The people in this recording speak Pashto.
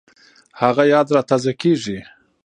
هغه یاد را تازه کېږي